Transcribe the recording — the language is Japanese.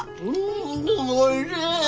んおいしい！